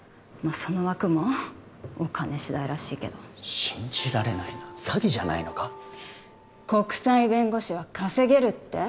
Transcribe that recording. その枠もお金次第らしいけど信じられないな詐欺じゃないのか国際弁護士は稼げるって？